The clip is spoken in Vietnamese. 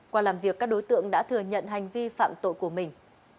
qua làm việc các đối tượng đã thừa nhận hành vi phạm tội của mình